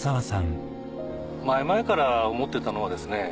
前々から思ってたのはですね